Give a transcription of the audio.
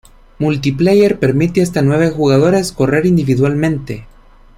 Multi Player permite hasta nueve jugadores correr individualmente.